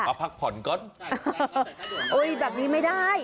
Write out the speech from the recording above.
มาพักผ่อนก่อนเอ้ยแบบนี้ไม่ได้